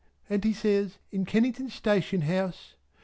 and he says "In Kennington Station House."